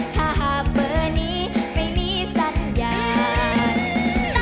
ถ้าหากเบอร์นี้ไม่มีสัญญาณ